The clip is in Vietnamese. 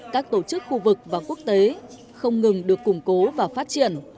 các tổ chức khu vực và quốc tế không ngừng được củng cố và phát triển